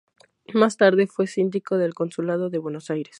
Más tarde fue síndico del Consulado de Buenos Aires.